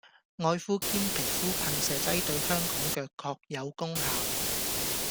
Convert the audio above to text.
愛膚堅皮膚噴射劑對香港腳確有功效